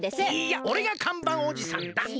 いやおれが看板おじさんだ！